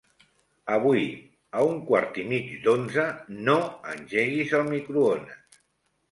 Avui a un quart i mig d'onze no engeguis el microones.